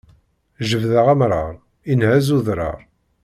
Jebdeɣ amrar, inhez udrar.